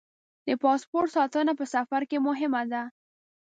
د پاسپورټ ساتنه په سفر کې مهمه ده.